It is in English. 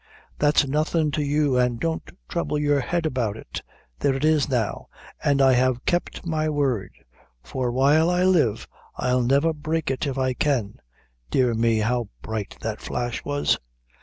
"That's nothing to you, an' don't trouble your head about it. There it is now, an' I have kept my word; for while I live, I'll never break it if I can. Dear me, how bright that flash was!"